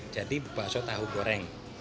jadi bakso tahu goreng